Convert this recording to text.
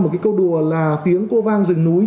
một cái câu đùa là tiếng cô vang rừng núi